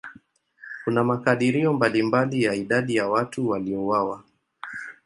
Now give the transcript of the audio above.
Kuna makadirio mbalimbali ya idadi ya watu waliouawa.